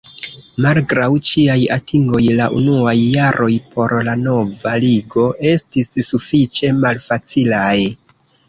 Malgraŭ ĉiaj atingoj la unuaj jaroj por la nova Ligo estis sufiĉe malfacilaj.